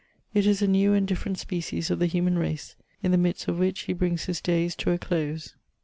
It is a new and different species of the human race, in ihe midst of which he brings his days to a close.